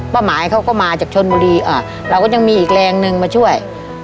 หมายเขาก็มาจากชนบุรีเราก็ยังมีอีกแรงนึงมาช่วย